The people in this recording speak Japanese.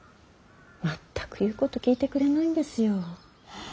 全く言うこと聞いてくれないんですよ。